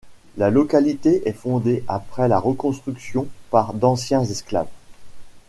La localité est fondée après la Reconstruction par d'anciens esclaves.